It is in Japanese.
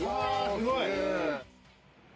すごい。